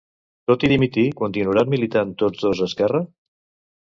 Tot i dimitir, continuaran militant tots dos a Esquerra.